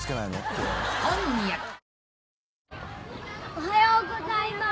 おはようございます。